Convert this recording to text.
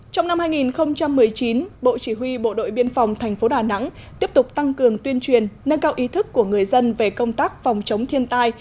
trong năm hai nghìn một mươi chín bộ chỉ huy bộ đội biên phòng tp đà nẵng tiếp tục tăng cường tuyên truyền nâng cao ý thức của người dân về công tác phòng chống thiên tai